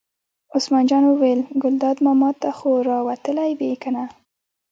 عثمان جان وویل: ګلداد ماما ته خو را وتلې وې کنه.